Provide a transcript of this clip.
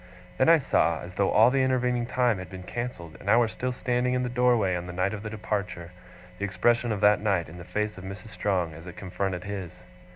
Then I saw, as though all the intervening time had been cancelled, and I were still standing in the doorway on the night of the departure, the expression of that night in the face of Mrs. Strong, as it confronted his.